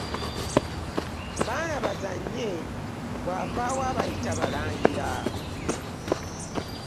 Baana bazannye bwavawo abayita balangira .